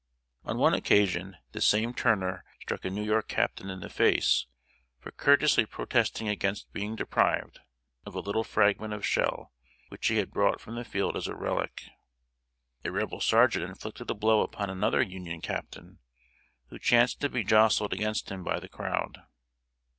On one occasion, this same Turner struck a New York captain in the face for courteously protesting against being deprived of a little fragment of shell which he had brought from the field as a relic. A Rebel sergeant inflicted a blow upon another Union captain who chanced to be jostled against him by the crowd.